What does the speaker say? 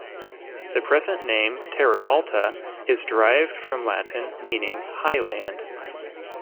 The present name Terra Alta is derived from Latin meaning "high land".